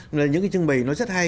là những cái trưng bày nó rất hay